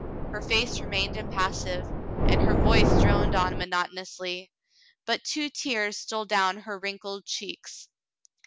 Her face re mained impassive, and her voice droned on monotonously, but two tears stole down her wrinkled cheeks.